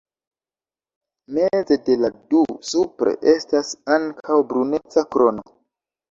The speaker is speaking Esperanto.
Meze de la du, supre, estas ankaŭ bruneca krono.